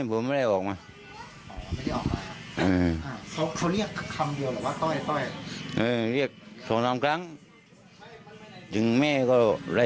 แล้วเขาได้บอกไหมว่าเขาฆ่าคนมา